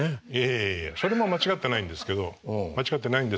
いやいやそれも間違ってないんですけど間違ってないんですけど。